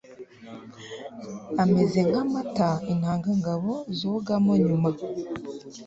ameze nk'amata intangangabo zogamo nyuma